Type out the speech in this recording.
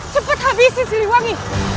cepat habisi siri wangi